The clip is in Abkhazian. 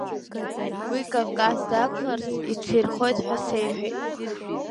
Уи Кавказ дақәларц иҽирхиоит ҳәа сеиҳәеит…